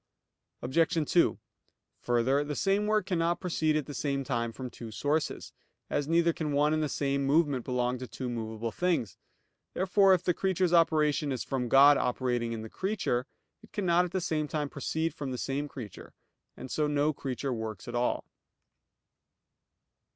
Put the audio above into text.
Obj. 2: Further, the same work cannot proceed at the same time from two sources; as neither can one and the same movement belong to two movable things. Therefore if the creature's operation is from God operating in the creature, it cannot at the same time proceed from the creature; and so no creature works at all.